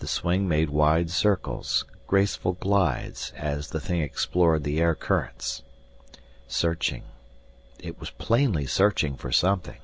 The swing made wide circles, graceful glides as the thing explored the air currents. Searching it was plainly searching for something.